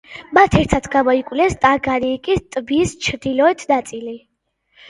მათ ერთად გამოიკვლიეს ტანგანიიკის ტბის ჩრდილოეთ ნაწილი.